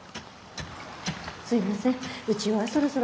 すいませんうちはそろそろ。